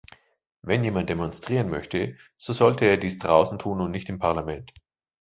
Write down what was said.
Wenn jemand demonstrieren möchte, so sollte er dies draußen tun und nicht im Parlament.